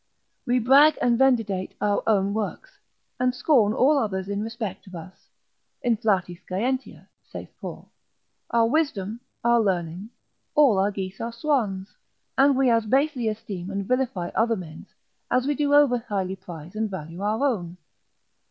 We brag and venditate our own works, and scorn all others in respect of us; Inflati scientia, (saith Paul) our wisdom, our learning, all our geese are swans, and we as basely esteem and vilify other men's, as we do over highly prize and value our own.